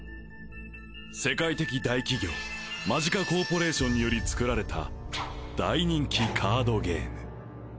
世界的大企業マジカコーポレーションにより作られた大人気カードゲーム